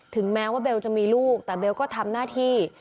แม้ว่าเบลจะมีลูกแต่เบลก็ทำหน้าที่